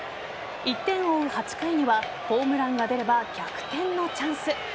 １点を追う８回にはホームランが出れば逆転のチャンス。